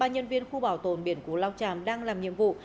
ba nhân viên khu bảo tồn biển cú lao chàm đang làm nhiệm vụ